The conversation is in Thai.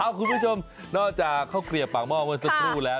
คุณผู้ชมนอกจากข้าวเกลียบปากหม้อเมื่อสักครู่แล้ว